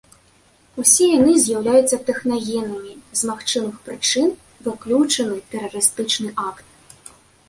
Усе яны з'яўляюцца тэхнагеннымі, з магчымых прычын выключаны тэрарыстычны акт.